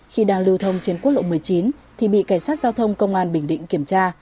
khi đang lưu thông trên quốc lộ một mươi chín thì bị cảnh sát giao thông công an bình định kiểm tra